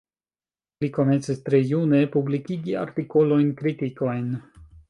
Li komencis tre june publikigi artikolojn, kritikojn.